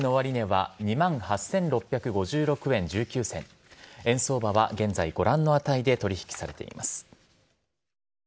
午前の終値は２万８６５６円１９銭円相場は現在ご覧の値で取引されています。